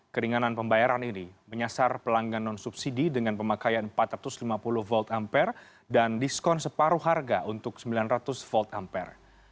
keringanan pembayaran ini menyasar pelanggan non subsidi dengan pemakaian empat ratus lima puluh volt ampere dan diskon separuh harga untuk sembilan ratus volt ampere